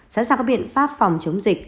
sẵn sàng các biện pháp phòng chống dịch